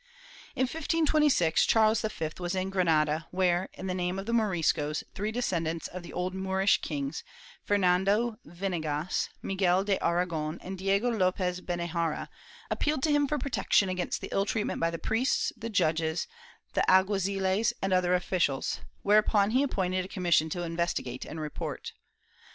^ In 1526 Charles V was in Granada, where, in the name of the Moriscos, three descendants of the old Moorish kings, Fernando Vinegas, Miguel de Aragon and Diego Lopez Benexara, appealed to him for protection against the ill treatment by the priests, the judges, the alguaziles and other officials, whereupon he appointed a commission to investigate and report.